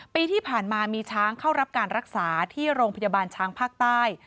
ปีที่ผ่านมามีช้างเข้ารับการรักษาที่โรงพยาบาลช้างภาคใต้